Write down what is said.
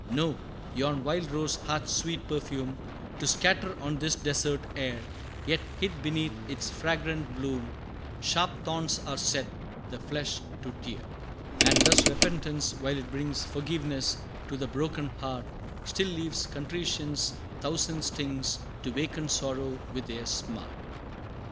No yon wild rose hath sweet perfume To scatter on this desert air; Yet, hid beneath its fragrant bloom, Sharp thorns are set, the flesh to tear. And thus, repentance, while it brings Forgiveness to the broken heart, Still leaves contrition's thousand stings To waken sorrow with their smart.